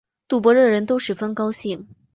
赌博的人都十分高兴